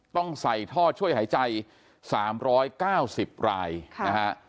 ต้องใส่ท่อช่วยหายใจ๓๙๐รายนะฮะ